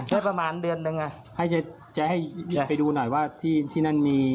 ใช่ประมาณเดือนหนึ่งอ่ะให้จะจะให้ไปดูหน่อยว่าที่ที่นั่นมี